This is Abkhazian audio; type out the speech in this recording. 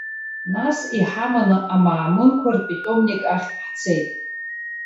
Нас иҳаманы амаамынқәа рпитомник ахь ҳцеит.